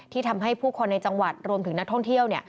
ทำให้ผู้คนในจังหวัดรวมถึงนักท่องเที่ยว